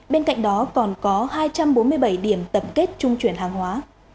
bên cạnh đó còn có hai trăm bốn mươi bảy điểm tập kết trung chuyển hàng hóa